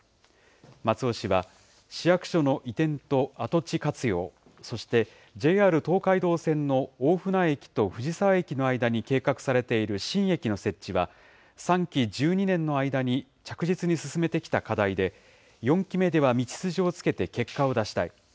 松尾氏は、市役所の移転と跡地活用、そしてＪＲ東海道線の大船駅と藤沢駅の間に計画されている新駅の設置は、３期１２年の間に着実に進めてきた課題で、４期目では道筋をつけて結果を出したい。